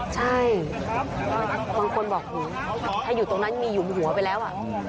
ใช่บางคนบอกถ้าอยู่ตรงนั้นมีหยุมหัวไปแล้ว